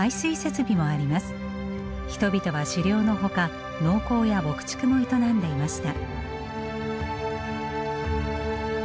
人々は狩猟のほか農耕や牧畜も営んでいました。